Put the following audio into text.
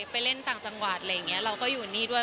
ไปเล่นต่างจังหวัดเรื่องนี้เน่าเลยเอาให้ตรงนี้ด้วย